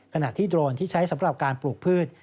ขณะที่โดรนที่ใช้สำหรับการปลูกพืช